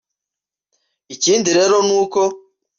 Ikindi rero ni uko